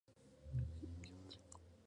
El libro consta de cinco partes.